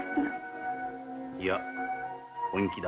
いや本気だ。